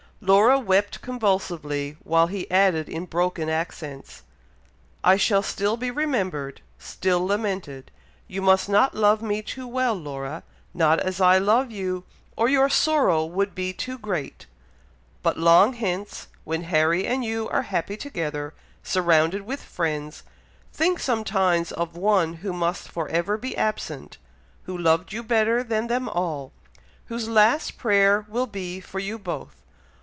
Laura wept convulsively while he added in broken accents, "I shall still be remembered still lamented you must not love me too well, Laura, not as I love you, or your sorrow would be too great; but long hence, when Harry and you are happy together, surrounded with friends, think sometimes of one who must for ever be absent, who loved you better than them all, whose last prayer will be for you both.